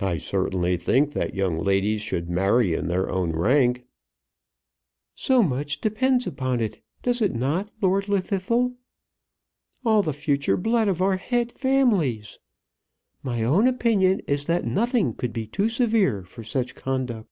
"I certainly think that young ladies should marry in their own rank." "So much depends upon it, does it not, Lord Llwddythlw? All the future blood of our head families! My own opinion is that nothing could be too severe for such conduct."